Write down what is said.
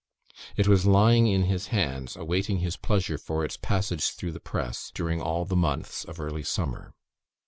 It was lying in his hands, awaiting his pleasure for its passage through the press, during all the months of early summer.